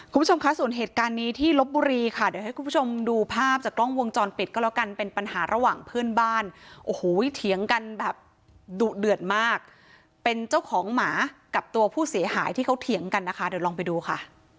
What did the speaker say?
คุณผู้ชมคะส่วนเหตุการณ์นี้ที่ลบบุรีค่ะเดี๋ยวให้คุณผู้ชมดูภาพจากกล้องวงจรปิดก็แล้วกันเป็นปัญหาระหว่างเพื่อนบ้านโอ้โหเถียงกันแบบดุเดือดมากเป็นเจ้าของหมากับตัวผู้เสียหายที่เขาเถียงกันนะคะเดี๋ยวลองไปดูค่ะ